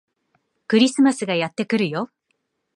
クリスマスがやってくるよ